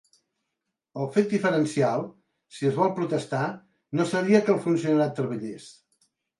El fet diferencial, si es vol protestar, no seria que el funcionariat treballés?